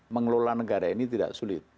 mengelola negara ini tidak sulit